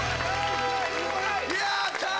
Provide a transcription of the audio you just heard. やったー！